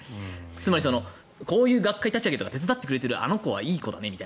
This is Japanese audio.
つまり、こういう学会立ち上げとか手伝ってくれるあの子はいい子だよねと。